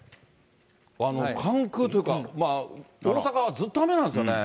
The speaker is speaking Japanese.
関空というか、大阪はずっと雨なんですよね。